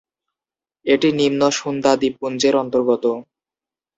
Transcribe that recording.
এটি নিম্ন সুন্দা দ্বীপপুঞ্জের অন্তর্গত।